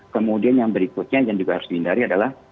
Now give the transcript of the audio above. kemudian yang berikutnya yang juga harus dihindari adalah